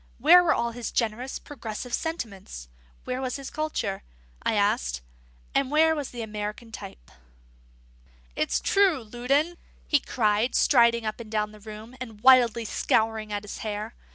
Where were all his generous, progressive sentiments? Where was his culture? I asked. And where was the American Type? "It's true, Loudon," he cried, striding up and down the room, and wildly scouring at his hair.